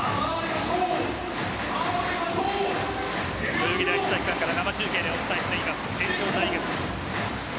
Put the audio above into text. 代々木第一体育館から生中継でお伝えしています。